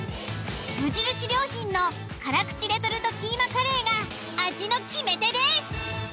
「無印良品」の辛口レトルトキーマカレーが味の決め手です。